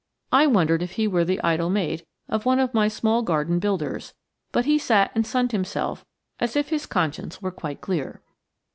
I wondered if he were the idle mate of one of my small garden builders, but he sat and sunned himself as if his conscience were quite clear.